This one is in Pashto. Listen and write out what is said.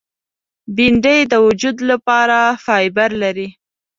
بېنډۍ د وجود لپاره فایبر لري